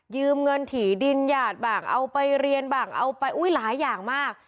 เงินถี่ดินหยาดบ้างเอาไปเรียนบ้างเอาไปอุ้ยหลายอย่างมาก